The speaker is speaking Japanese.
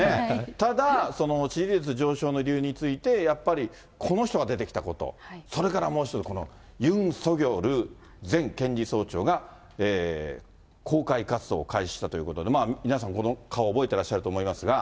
ただ、支持率上昇の理由について、やっぱりこの人が出てきたこと、それからもう１人、このユン・ソギョル前検事総長が公開活動を開始したということで、皆さん、この顔覚えてらっしゃると思いますが。